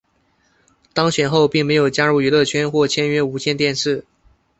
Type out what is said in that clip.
当选后并没有加入娱乐圈或签约无线电视。